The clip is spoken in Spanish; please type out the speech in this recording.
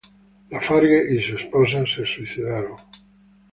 Lafargue y su esposa se suicidaron.